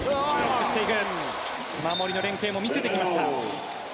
守りの連係も見せてきました。